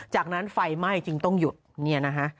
จากนั้นไฟไหม้จึงต้องหยุดเนี่ยนะฮะ